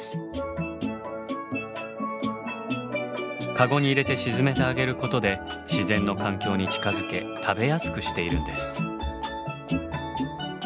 カゴに入れて沈めてあげることで自然の環境に近づけ食べやすくしているんです。